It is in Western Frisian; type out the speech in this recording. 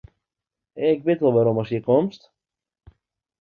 Ik wit al wêrom ast hjir komst.